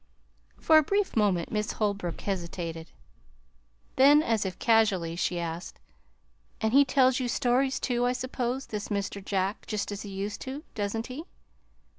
For a brief moment Miss Holbrook hesitated; then, as if casually, she asked: "And he tells you stories, too, I suppose, this Mr. Jack, just as he used to, doesn't he?"